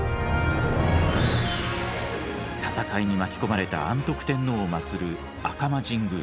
戦いに巻き込まれた安徳天皇を祭る赤間神宮。